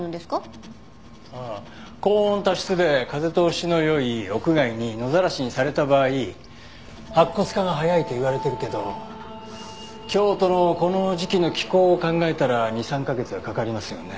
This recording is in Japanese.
高温多湿で風通しの良い屋外に野ざらしにされた場合白骨化が早いといわれてるけど京都のこの時期の気候を考えたら２３カ月はかかりますよね。